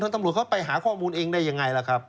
ตำรวจเขาไปหาข้อมูลเองได้ยังไงล่ะครับ